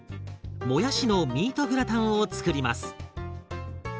もやしのミートグラタンを作ります。